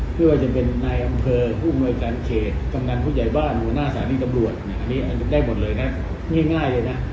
ไม่ว่าจะเป็นนายอำเภาสนุกฯผู้งงวัยการเหตุกำหนังผู้ใหญ่บ้านหัวหน้าสหรัฐศาธิปับรวจ